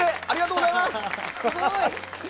ありがとうございます。